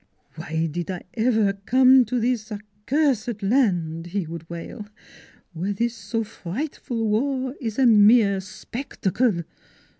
" Why did I ever come to this accursed land," he would wail, " where this so frightful war is a mere spectacle?